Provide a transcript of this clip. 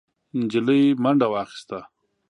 نجلۍ منډه واخيسته.